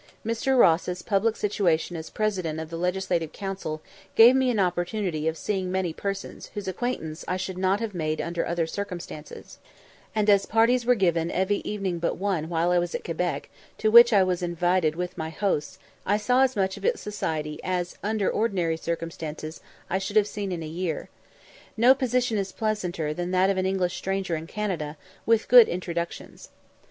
Mr. Ross's public situation as President of the Legislative Council gave me an opportunity of seeing many persons whose acquaintance I should not have made under other circumstances; and as parties were given every evening but one while I was at Quebec, to which I was invited with my hosts, I saw as much of its society as under ordinary circumstances I should have seen in a year. No position is pleasanter than that of an English stranger in Canada, with good introductions.